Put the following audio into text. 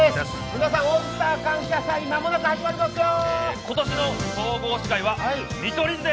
皆さん、「オールスター感謝祭」間もなく始まりますよ。